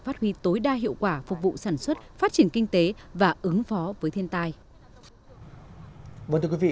phát huy tối đa hiệu quả phục vụ sản xuất phát triển kinh tế và ứng phó với thiên tai